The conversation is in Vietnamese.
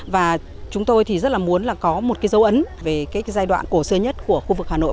và chúng tôi thì rất là muốn là có một cái dấu ấn về cái giai đoạn cổ xưa nhất của khu vực hà nội